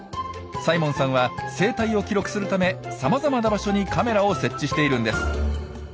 サイモンさんは生態を記録するためさまざまな場所にカメラを設置しているんです。